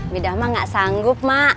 bidah emak gak sanggup mak